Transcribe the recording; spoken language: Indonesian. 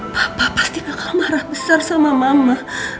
bapak pasti bakal marah besar sama mama